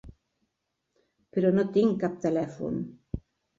Però no tinc cap telèfon.